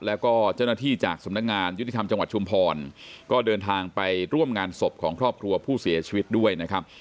แล้วก็เจ้าหน้าที่จากสำนักงานยุติธรรมจังหวัดชุมพรก็เดินทางไปร่วมงานศพของครอบครัวผู้เสียชีวิตด้วยนะครับ